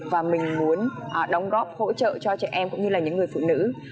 và mình muốn đóng góp hỗ trợ cho trẻ em cũng như là những người phụ nữ